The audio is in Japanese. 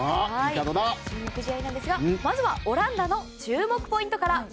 注目試合なんですが、まずはオランダの注目ポイントから。